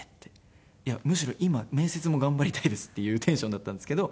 いやむしろ今面接も頑張りたいですっていうテンションだったんですけど。